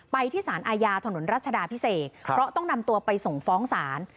ไปที่สารอาญาถนนรัชดาพิเศษเพราะต้องนำตัวไปส่งฟ้องศาล